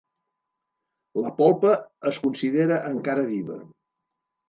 La polpa es considera encara viva.